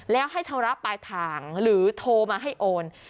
แล้วให้ชำระปลายทางหรือโทรมาให้โอน